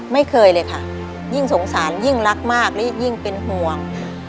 ไม่เคยเลยค่ะยิ่งสงสารยิ่งรักมากและยิ่งเป็นห่วง